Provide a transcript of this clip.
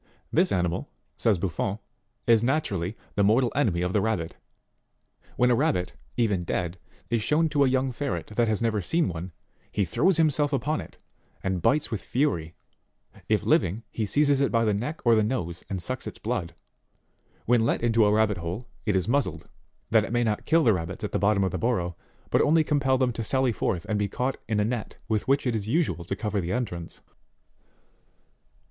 This animal, says Buffon, is naturally, the mortal enemy of the rabbit : when a rabbit, even dead, is shown to a young ferret that has never seen one, he throws himself upon it, and bites with fury ; if living, he seizes it by the neck or the nose and sucks its blood. When let into a rabbit hole, it is muzzled, that it may not kill the rabbits at the bottom of the burrow, but only compel them to sally forth and be caught in a net with which it is usual to cover the entrance.